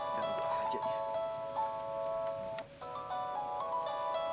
gampang aja dia